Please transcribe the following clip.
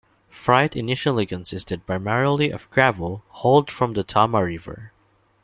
Freight initially consisted primarily of gravel hauled from the Tama River.